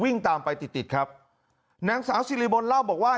วิ่งตามไปติดติดครับนางสาวสี่หลีมนต์เล่าบอกว่า